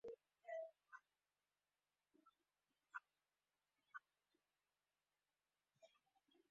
ISC যে তথ্য সংগ্রহ করে এবং প্রক্রিয়া করে তা বেশ কয়েকটি তথ্য পণ্যের ভিত্তি তৈরি করে।